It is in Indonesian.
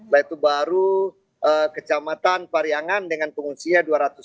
lalu baru kecamatan pariangan dengan pengungsinya dua ratus sepuluh